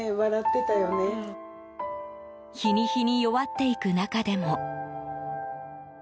日に日に弱っていく中でも。